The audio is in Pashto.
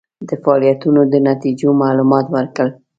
د فعالیتونو د نتیجو معلومات ورکړل.